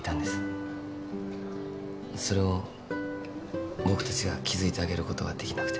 それを僕たちが気付いてあげることができなくて。